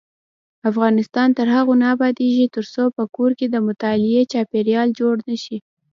افغانستان تر هغو نه ابادیږي، ترڅو په کور کې د مطالعې چاپیریال جوړ نشي.